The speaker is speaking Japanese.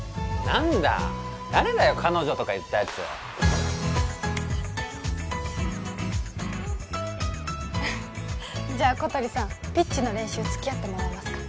何だ誰だよ彼女とか言ったやつじゃあ小鳥さんピッチの練習付き合ってもらえますか？